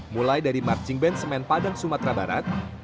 mulai dari margin band semen padang sumatera barat